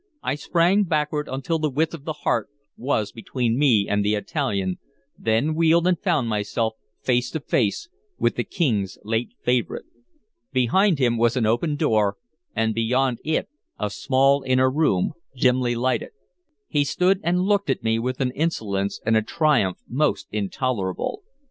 I sprang backward until the width of the hearth was between me and the Italian, then wheeled and found myself face to face with the King's late favorite. Behind him was an open door, and beyond it a small inner room, dimly lighted. He stood and looked at me with an insolence and a triumph most intolerable.